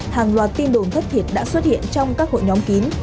hàng loạt tin đồn thất thiệt đã xuất hiện trong các hội nhóm kín